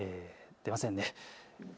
出ませんね。